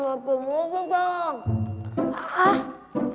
kenapa belom makannya lagi bahaya pula